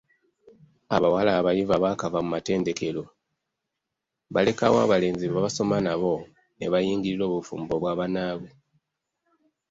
Abawala abayivu abaakava mu matendekero balekawo abalenzi be basoma nabo ne bayingirira obufumbo bwa bannaabwe.